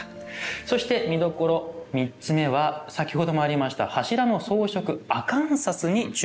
そして見どころ３つ目は先ほどもありました柱の装飾アカンサスに注目ということなんですね。